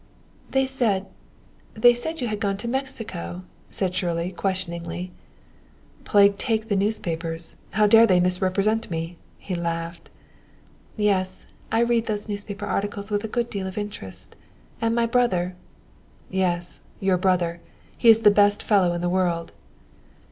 "They said they said you had gone to Mexico?" said Shirley questioningly. "Plague take the newspapers! How dare they so misrepresent me!" he laughed. "Yes, I read those newspaper articles with a good deal of interest. And my brother " "Yes, your brother he is the best fellow in the world!"